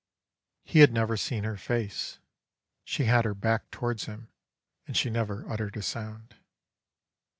"He had never seen her face; she had her back towards him, and she never uttered a sound.